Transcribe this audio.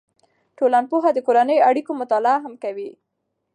ټولنپوهنه د کورنیو اړیکو مطالعه هم کوي.